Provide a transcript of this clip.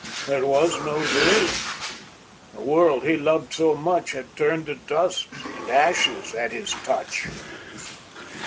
It was no dream; the world he loved so much Had turned to dust and ashes at his touch!